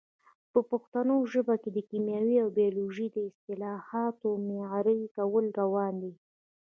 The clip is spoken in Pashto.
په پښتو ژبه کې د کیمیا او بیولوژي د اصطلاحاتو معیاري کول روان دي.